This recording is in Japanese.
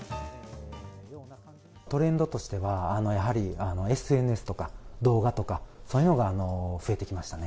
トレンドとしては、やはりＳＮＳとか、動画とか、そういうのが増えてきましたね。